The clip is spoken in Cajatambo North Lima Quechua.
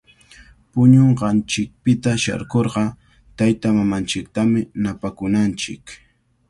Puñunqanchikpita sharkurqa taytamamanchiktami napakunanchik.